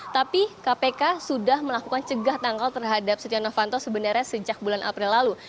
tapi kpk sudah melakukan cegah tanggal terhadap setia novanto sebenarnya sejak bulan april lalu